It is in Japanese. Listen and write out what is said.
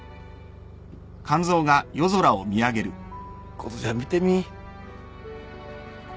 琴ちゃん見てみ。